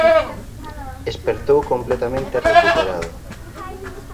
Espertou completamente recuperado.